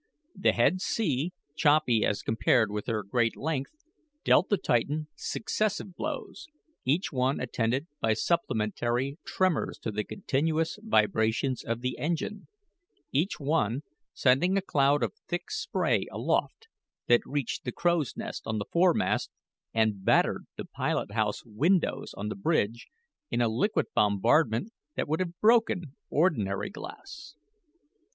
The head sea, choppy as compared with her great length, dealt the Titan successive blows, each one attended by supplementary tremors to the continuous vibrations of the engines each one sending a cloud of thick spray aloft that reached the crow's nest on the foremast and battered the pilot house windows on the bridge in a liquid bombardment that would have broken ordinary glass.